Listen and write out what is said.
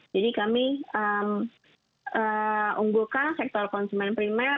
jadi kami unggulkan sektor konsumen primer